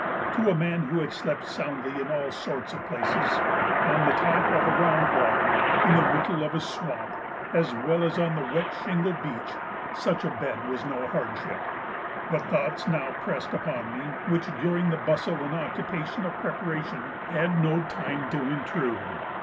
To a man who had slept soundly in all sorts of places on the top of a round log, in the middle of a swamp, as well as on the wet shingle beach, such a bed was no hardship; but thoughts now pressed upon me which during the bustle and occupation of preparation had no time to intrude.